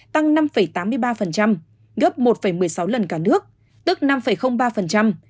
tăng năm tám mươi ba gấp một một mươi sáu lần cả nước tức năm ba